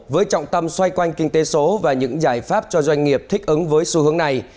với trọng tâm xoay quanh kinh tế số và những giải pháp cho doanh nghiệp thích ứng với xu hướng này